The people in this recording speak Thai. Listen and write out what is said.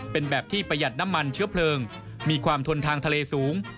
เป็นแบบที่ประหยัดน้ำมันเชื้อเพลิงมีความทนทางทะเลสูง